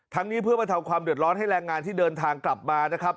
นี้เพื่อบรรเทาความเดือดร้อนให้แรงงานที่เดินทางกลับมานะครับ